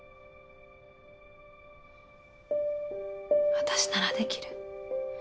私ならできる。